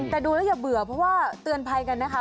แต่ดูแล้วอย่าเบื่อเพราะว่าเตือนภัยกันนะคะ